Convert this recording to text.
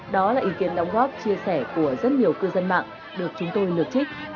đó là ý kiến đóng góp chia sẻ của rất nhiều cư dân mạng được chúng tôi lượt trích